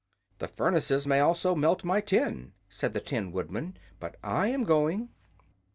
"The furnaces may also melt my tin," said the Tin Woodman; "but I am going."